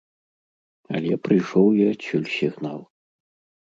Але прыйшоў і адсюль сігнал.